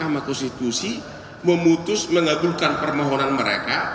mahkamah konstitusi memutus mengabulkan permohonan mereka